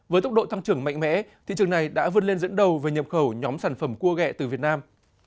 với tốc độ tăng trưởng mạnh mẽ thị trường này đã vươn lên dẫn đầu về nhập khẩu nhóm sản phẩm cua gẹ từ việt nam